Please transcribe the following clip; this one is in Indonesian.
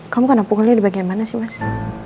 kamu karena pukulnya di bagian mana sih mas